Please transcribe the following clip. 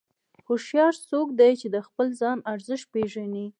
هوښیار څوک دی چې د خپل ځان ارزښت پېژني.